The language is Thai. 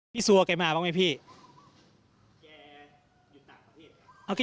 พี่ซัวร์ใกล้มาบ้างไหมพี่